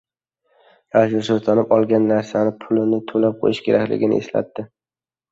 Alisher Sultonov «olgan narsani pulini to‘lab qo‘yish» kerakligini eslatdi